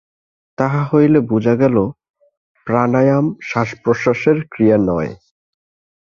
তাহা হইলে বুঝা গেল, প্রাণায়াম শ্বাসপ্রশ্বাসের ক্রিয়া নয়।